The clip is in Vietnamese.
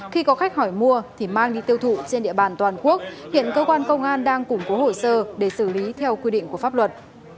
khi có khách hỏi mua thì mang đi tiêu thụ trên địa bàn toàn quốc hiện cơ quan công an đang củng cố hồ sơ để xử lý theo quy định của pháp luật